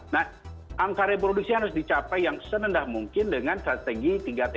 nah angka reproduksi harus dicapai yang senendah mungkin dengan strategi tiga t